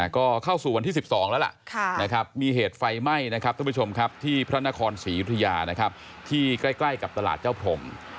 ก็เข้าสู่วันที่๑๒แล้วล่ะมีเหตุไฟไหม้ที่พระนครศรียุธยาที่ใกล้กับตลาดเจ้าพรหม